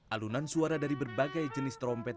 alunan suara dari berbagai jenis trompet